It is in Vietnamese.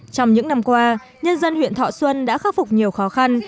trong những năm qua nhân dân huyện thọ xuân đã khắc phục nhiều khó khăn